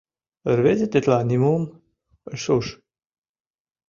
Рвезе тетла нимом ыш уж.